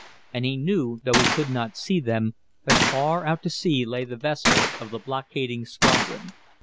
And he knew, though he could not see them then, that far out to sea lay the vessels of the blockading squadron.